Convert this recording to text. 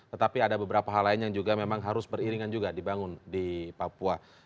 tetapi ada beberapa hal lain yang juga memang harus beriringan juga dibangun di papua